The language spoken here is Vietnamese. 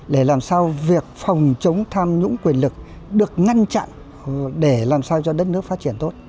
để làm sao việc phòng chống tham nhũng quyền lực được ngăn chặn để làm sao cho đất nước phát triển tốt